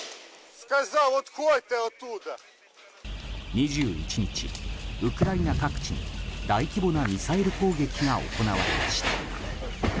２１日、ウクライナ各地に大規模なミサイル攻撃が行われました。